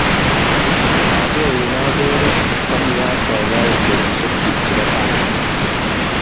Akerin akere konyiat poipoyet petusyek chuk che po tai.